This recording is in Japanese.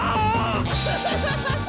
アハハハハ！